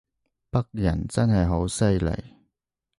北人真係好犀利